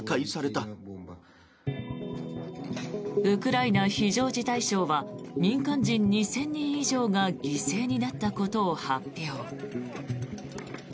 ウクライナ非常事態省は民間人２０００人以上が犠牲になったことを発表。